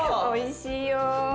おいしいよ。